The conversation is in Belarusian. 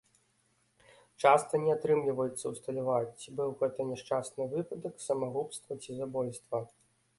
Часта не атрымліваецца ўсталяваць, ці быў гэта няшчасны выпадак, самагубства ці забойства.